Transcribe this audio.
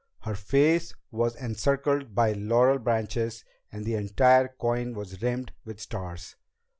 Her face was encircled by laurel branches and the entire coin was rimmed with stars.